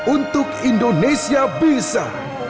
untuk indonesia bisa